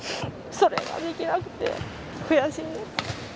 それができなくて悔しいです。